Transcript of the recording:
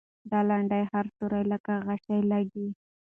د لنډۍ هر توری لکه غشی لګي.